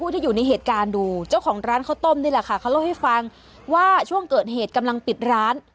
ที่อยู่ในเหตุการณ์ดูเจ้าของร้านข้าวต้มนี่แหละค่ะเขาเล่าให้ฟังว่าช่วงเกิดเหตุกำลังปิดร้าน